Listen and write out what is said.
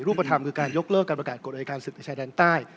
เรื่องของการยกเลิกไกลประกาศกวดอัยการศึกษ์ในชายแดนใต้